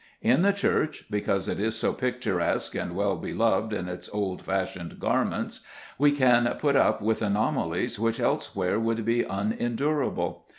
In the Church, because it is so picturesque and well beloved in its old fashioned garments, we can put up with anomalies which elsewhere would be unendurable.